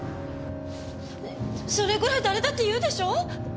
それぐらい誰だって言うでしょ？